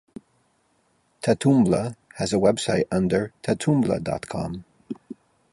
Tatumbla has a website under Tatumbla dot com.